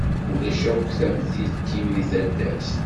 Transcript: Ulac akk tamtilt-im di taddart.